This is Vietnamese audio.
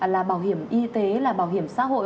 là bảo hiểm y tế bảo hiểm xã hội